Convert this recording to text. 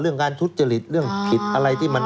การทุจริตเรื่องผิดอะไรที่มัน